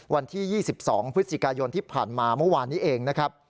วันที่๒๒พฤศจิกายนที่ผ่านมาเมื่อวานนี้เองนะครับ